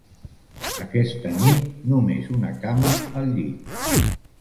Aquesta nit, només una cama al llit.